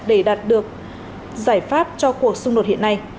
để đạt được giải pháp cho cuộc xung đột hiện nay